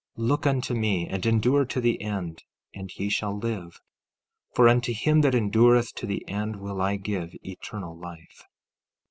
Look unto me, and endure to the end, and ye shall live; for unto him that endureth to the end will I give eternal life.